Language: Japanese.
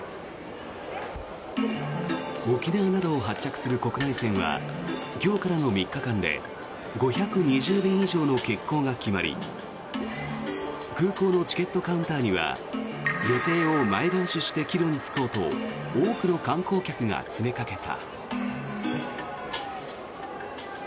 沖縄などを発着する国内線は今日からの３日間で５２０便以上の欠航が決まり空港のチケットカウンターには予定を前倒しして帰路に就こうと多くの観光客が詰めかけた。